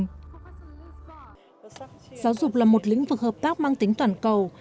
giáo dục là một lĩnh vực hợp tác mang tính toàn cầu